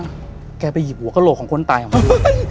อ่าแกไปหยิบหัวกะโหลกของคนตายอ่ะเฮ้ย